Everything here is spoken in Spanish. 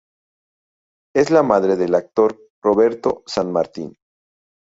Es la madre del actor Roberto San Martín.